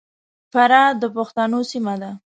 فراه د پښتنو سیمه ده.